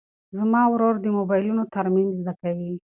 زما ورور د موبایلونو ترمیم زده کوي.